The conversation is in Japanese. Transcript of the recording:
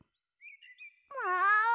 もう！